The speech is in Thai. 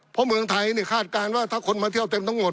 เพราะเมืองไทยคาดการณ์ว่าถ้าคนมาเที่ยวเต็มทั้งหมด